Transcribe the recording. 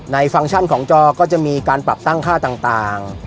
ฟังก์ชั่นของจอก็จะมีการปรับตั้งค่าต่าง